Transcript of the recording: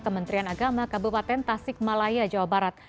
kementerian agama kabupaten tasik malaya jawa barat